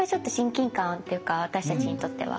私たちにとっては。